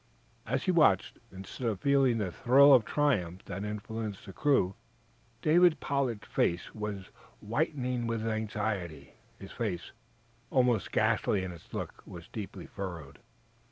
As he watched, instead of feeling the thrill of triumph that influenced the crew, David Pollard's face was whitening with anxiety. His face, almost ghastly in its look, was deeply furrowed.